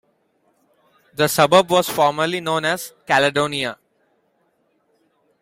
The suburb was formerly known as "Caledonia".